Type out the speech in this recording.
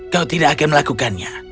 kau tidak akan melakukannya